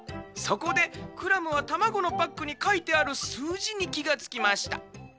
そこでクラムはたまごのパックにかいてあるすうじにきがつきました。